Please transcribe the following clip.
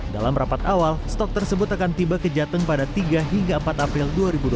dalam rapat awal stok tersebut akan tiba ke jateng pada tiga hingga empat april dua ribu dua puluh